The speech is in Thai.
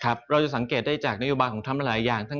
เราจะสังเกตได้จากนโยบายของธรรมหลายอย่าง